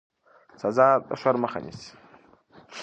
سزا د شر مخه نیسي